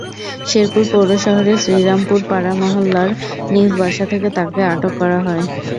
শেরপুর পৌর শহরের শ্রীরামপুরপাড়া মহল্লার নিজ বাসা থেকে তাঁকে আটক করা হয়।